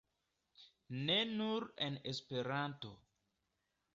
Ne nur en Esperanto.